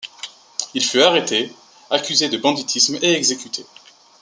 Il fut arrêté, accusé de banditisme et exécuté.